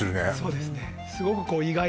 そうですね